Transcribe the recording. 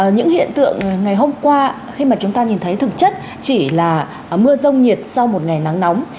những hiện tượng ngày hôm qua khi mà chúng ta nhìn thấy thực chất chỉ là mưa rông nhiệt sau một ngày nắng nóng